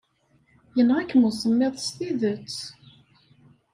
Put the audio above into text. Yenɣa-kem usemmiḍ s tidet.